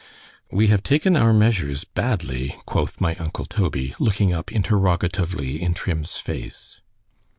We have taken our measures badly, quoth my uncle Toby, looking up interrogatively in Trim's face.